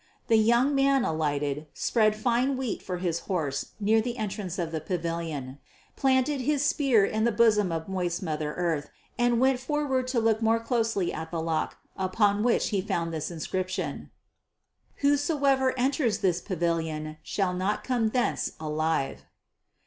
The young man alighted, spread fine wheat for his horse near the entrance of the pavilion, planted his spear in the bosom of moist Mother Earth, and went forward to look more closely at the lock, upon which he found this inscription: "Whoso enters this pavilion shall not come thence alive."